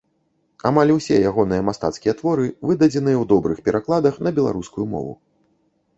Амаль усе ягоныя мастацкія творы выдадзеныя ў добрых перакладах на беларускую мову.